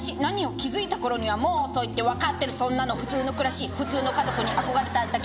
「気づいたころにはもう遅いってわかってるそんなの」「普通の暮らし普通の家族に憧れただけ」